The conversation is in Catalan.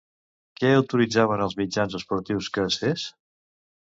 Què autoritzaven els mitjans esportius que es fes?